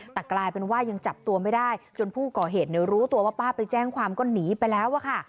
แต่กลายเป็นว่ายังจับตัวไม่ได้จนผู้ก่อเหตุรู้ตัวว่าป้าไปแจ้งความก็หนีไปแล้วอะค่ะ